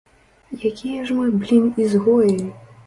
Якія ж мы, блін, ізгоі?